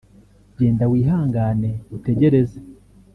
genda wihangane utegereze